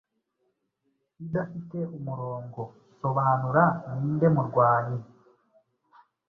idafite umurongo Sobanura Ninde murwanyi